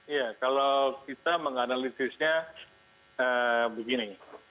iya kalau kita menganalisisnya begini